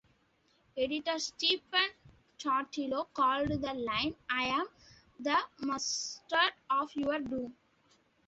Editor Stephen Totilo called the line I am the mustard of your doom!